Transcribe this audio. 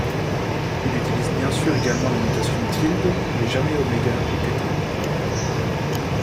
Il utilise bien sûr également la notation ∼, mais jamais ω ou Θ.